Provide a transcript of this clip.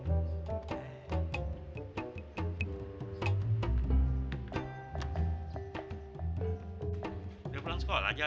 udah pulang sekolah jon